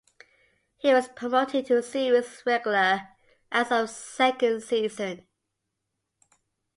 He was promoted to series regular as of second season.